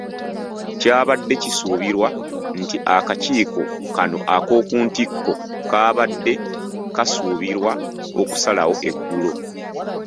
Kyabadde kisuubirwa nti akakiiko kano ak’oku ntikko kaabadde kasuubirwa okusalawo eggulo.